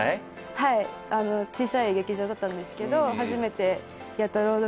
はいあの小さい劇場だったんですけど